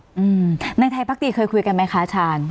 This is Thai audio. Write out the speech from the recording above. อืมในไทยพักดีเคยคุยกันไหมคะชาญ